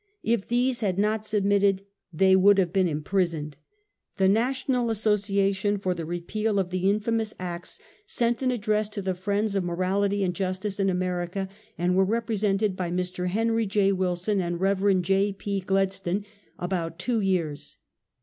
If these had not submitted they would have been imprisoned. ■ "The ITational Association" for the repeal of the SOCIAL EVIL. 133 infamous acts sent an address to the friends of Mo rality and Justice in America, and were represented by Mr. Henry J. "Wilson and Eev. J. P. Gledstone, about two years.